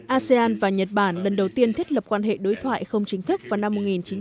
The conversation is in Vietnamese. asean và nhật bản lần đầu tiên thiết lập quan hệ đối thoại không chính thức vào năm một nghìn chín trăm bảy mươi